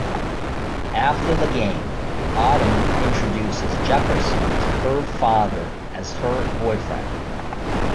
After the game Autumn introduces Jefferson to her father as her boyfriend.